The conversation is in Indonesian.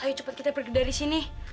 ayo cepat kita pergi dari sini